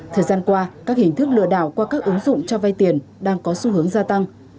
thời gian qua các hình thức lừa đảo qua các ứng dụng cho vay tiền đang có xu hướng gia tăng